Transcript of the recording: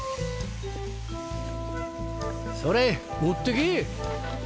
それっ持ってけ。